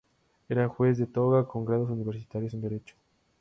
Era juez "de toga": con grados universitarios en Derecho.